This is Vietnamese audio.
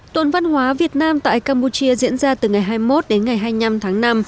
tuần văn hóa việt nam tại campuchia diễn ra từ ngày hai mươi một đến ngày hai mươi năm tháng năm